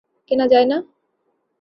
কেনা যায় না?